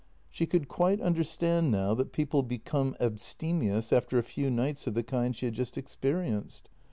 She could quite understand now that people become abstemious after a few nights of the kind she had just experienced.